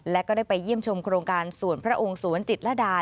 และก็ได้ไปเยี่ยมชมโครงการสวนพระองค์สวนจิตรดา